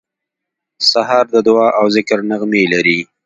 سهار د دعا او ذکر نغمې لري.